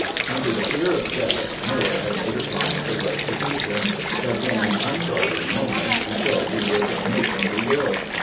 Under the fear of death Miller had made a promise of restitution, but in an unguarded moment he said he "would make a new will."